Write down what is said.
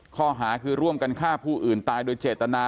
ข้อหาคือร่วมกันฆ่าผู้อื่นตายโดยเจตนา